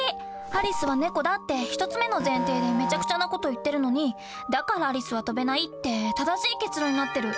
「アリスは猫だ」って１つ目の前提でめちゃくちゃな事言ってるのに「だからアリスは飛べない」って正しい結論になってる。